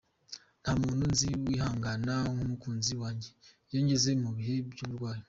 Nta muntu nzi wihangana nk’umukunzi wanjye iyo ngeze mu bihe by’uburwayi.